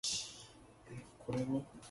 青巻紙赤巻紙黄巻紙